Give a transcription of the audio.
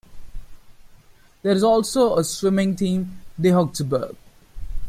There is also a swimming team: De Hokseberg.